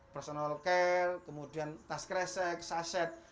personal care kemudian tas kresek saset